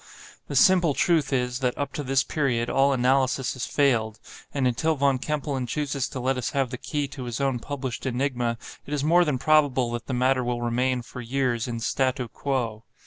The simple truth is, that up to this period all analysis has failed; and until Von Kempelen chooses to let us have the key to his own published enigma, it is more than probable that the matter will remain, for years, in statu quo.